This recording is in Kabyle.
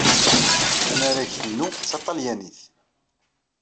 Tanaragt-inu d taṭalyanit.